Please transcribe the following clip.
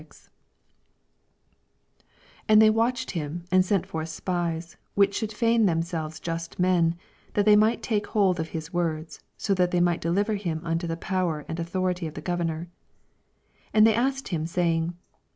20 And thev watched kimj and sent forth spieB, which should fei^n them selves just men, that they might take hold of his worqs, that so they might deliver him unto the power and au • thority of the governor. 211 And they asked him, Baying.